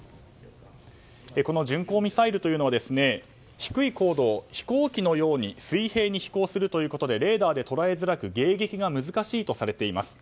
この巡航ミサイルというのは低い高度を飛行機のように水平に飛行するということでレーダーで捉えづらく迎撃が難しいとされています。